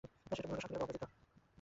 শ্রেষ্ঠ পুরুষগণ শান্ত, নীরব ও অপরিচিত।